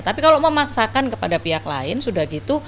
tapi kalau memaksakan kepada pihak lain sudah gitu